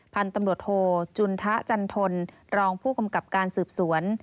พันธุ์ตำรวจโทจุนทะจันทนรองผู้กำกับการสืบสวน